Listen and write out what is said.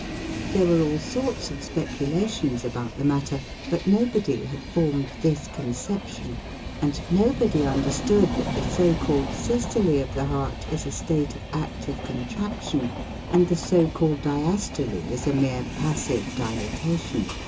There were all sorts of speculations about the matter, but nobody had formed this conception, and nobody understood that the so called systole of the heart is a state of active contraction, and the so called diastole is a mere passive dilatation.